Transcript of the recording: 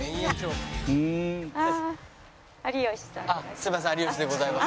すいません有吉でございます。